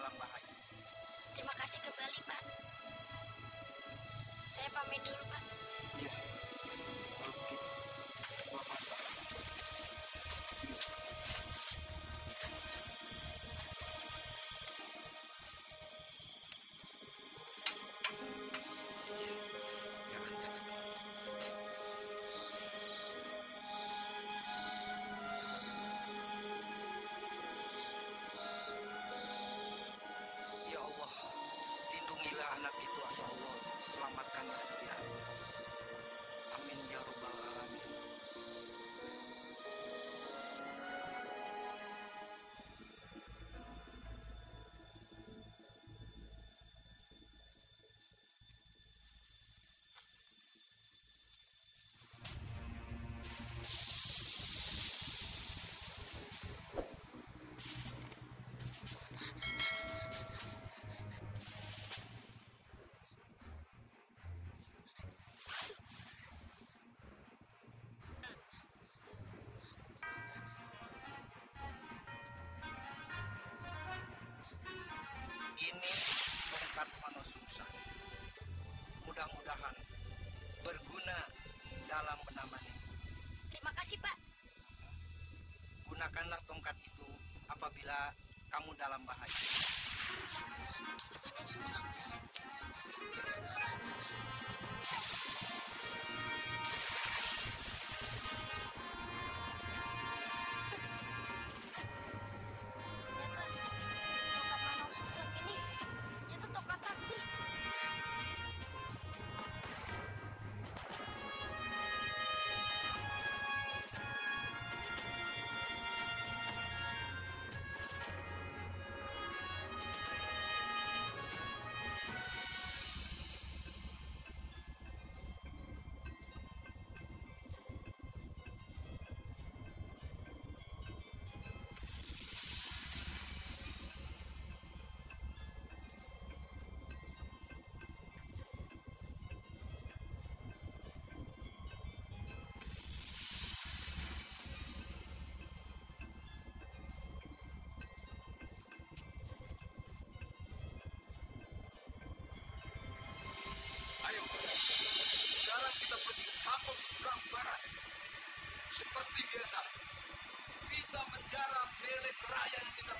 menamaniku terima kasih pak gunakanlah tongkat itu apabila kamu dalam bahaya terima kasih kembali pak